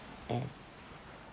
あっ。